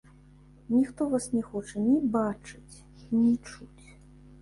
Ніхто нас не хоча ні бачыць, ні чуць.